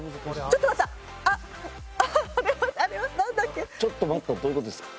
「ちょっと待った」ってどういう事ですか？